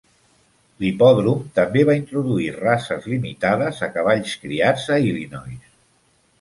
L'hipòdrom també va introduir races limitades a cavalls criats a Illinois.